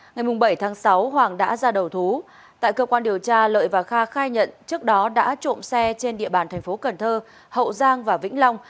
ngày bảy tháng sáu hoàng đã ra đầu thú tại cơ quan điều tra lợi và kha khai nhận trước đó đã trộm xe trên địa bàn thành phố cần thơ hậu giang và vĩnh long